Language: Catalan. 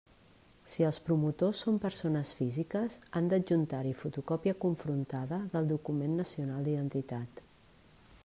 Si els promotors són persones físiques, han d'adjuntar-hi fotocòpia confrontada del document nacional d'identitat.